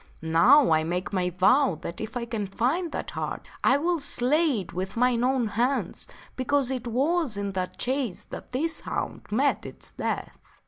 Now, I make my vow that if I can find that hart I will slay it with mine own hands, because it was in that chase that this hound met its death."